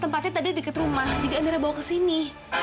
tempatnya tadi deket rumah jadi amira bawa ke sini